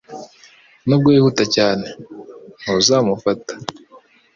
Nubwo wihuta cyane, ntuzamufata.